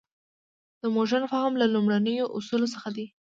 د مډرن فهم له لومړنیو اصولو څخه دی.